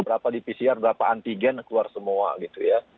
berapa di pcr berapa antigen keluar semua gitu ya